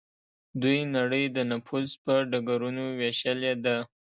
دوی نړۍ د نفوذ په ډګرونو ویشلې ده